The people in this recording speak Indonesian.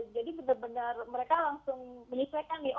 jadi benar benar mereka langsung menyelesaikan nih